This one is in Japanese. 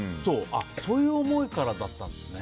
そういう思いからだったんですね。